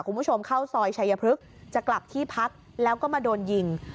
คุณผู้ชมเข้าซอยชายพฤกษ์จะกลับที่พักแล้วก็มาโดนยิง